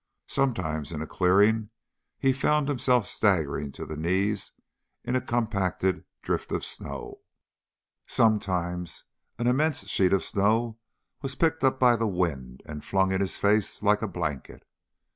Sometimes, in a clearing, he found himself staggering to the knees in a compacted drift of snow; sometimes an immense sheet of snow was picked up by the wind and flung in his face like a blanket.